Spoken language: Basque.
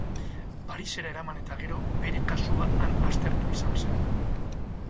Parisera eraman eta gero bere kasua han aztertua izan zen.